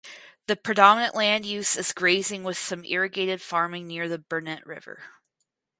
The predominant land use is grazing with some irrigated farming near the Burnett River.